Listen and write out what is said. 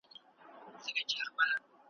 د زرګونو چي یې غاړي پرې کېدلې .